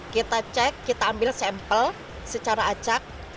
kita cek kita ambil sampel secara acak